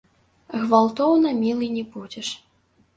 Гвалтоўна мілы не будзеш.